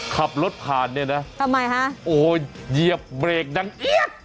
ขับรถผ่านนี่นะโอ้โฮเยียบเบรคดังเอี๊ยด